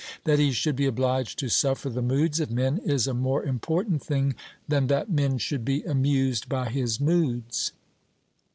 That he should be obliged to suffer the moods of men is a more important thing than that men should be amused by his moods.